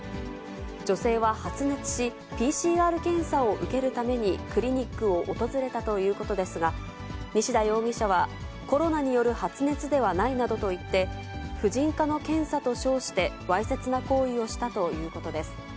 女性は発熱し、ＰＣＲ検査を受けるためにクリニックを訪れたということですが、西田容疑者は、コロナによる発熱ではないなどと言って、婦人科の検査と称してわいせつな行為をしたということです。